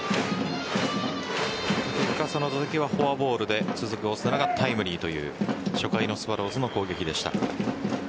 結果、そのときはフォアボール続くオスナがタイムリーという初回のスワローズの攻撃でした。